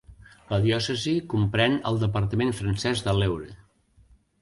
La diòcesi comprèn el departament francès de l'Eure.